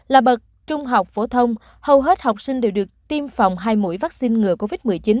là bậc trung học phổ thông hầu hết học sinh đều được tiêm phòng hai mũi vaccine ngừa covid một mươi chín